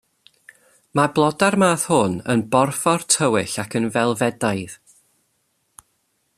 Mae blodau'r math hwn yn borffor tywyll ac yn felfedaidd.